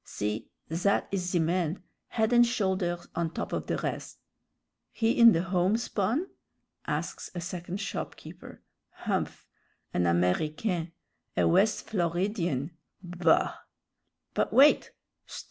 See, that is the man, head and shoulders on top the res'." "He in the homespun?" asks a second shopkeeper. "Humph! an Américain a West Floridian; bah!" "But wait; 'st!